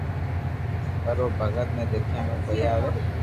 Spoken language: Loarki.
پر او ڀگت ني ديکيا ۾ ڪوئي آوي